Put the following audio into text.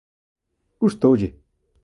Gustoulle.